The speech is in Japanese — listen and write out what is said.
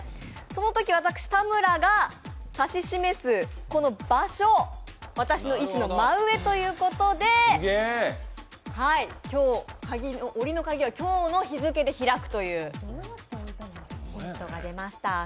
そのとき私、田村が指し示す場所、私の位置の真上ということでおりの鍵は今日の日付で開くというヒントが出ました。